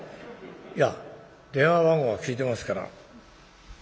いや電話番号は聞いてますから。